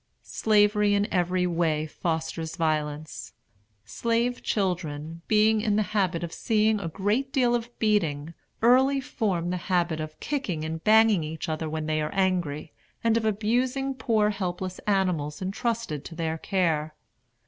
Slavery in every way fosters violence. Slave children, being in the habit of seeing a great deal of beating, early form the habit of kicking and banging each other when they are angry, and of abusing poor helpless animals intrusted to their care.